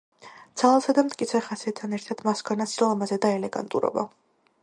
ძალასა და მტკიცე ხასიათთან ერთად მას ჰქონდა სილამაზე და ელეგანტურობა.